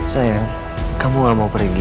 sayang kamu gak mau pergi